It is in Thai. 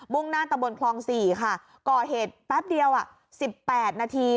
มุ่งหน้าตะบนคลองสี่ค่ะก่อเหตุแป๊บเดียวอ่ะสิบแปดนาที